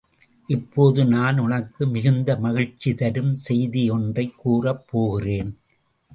இப்போது நான் உனக்கு மிகுந்த மகிழ்ச்சி தரும் செய்தி ஒன்றைக் கூறப் போகிறேன்.